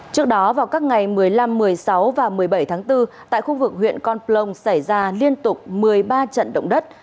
trước đó vào các ngày một mươi năm một mươi sáu và một mươi bảy tháng bốn tại khu vực huyện con plong xảy ra liên tục một mươi ba trận động đất